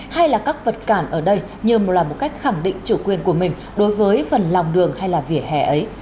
hay là các vật cản ở đây như một là một cách khẳng định chủ quyền của mình đối với phần lòng đường hay là vỉa hè ấy